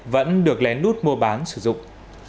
vẫn được lén nút mua bán sử dụng